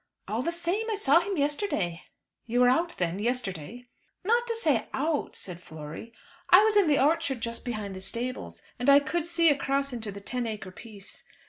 "All the same, I saw him yesterday." "You were out then, yesterday?" "Not to say out," said Flory. "I was in the orchard just behind the stables; and I could see across into the ten acre piece.